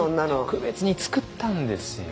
特別に作ったんですよ。